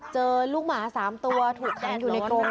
เจอลูกหมา๓ตัวถูกแทงอยู่ในกรง